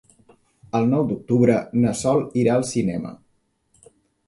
El nou d'octubre na Sol irà al cinema.